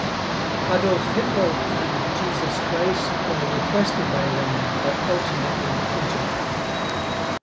Adolf Hitler and Jesus Christ were requested by Lennon, but ultimately rejected.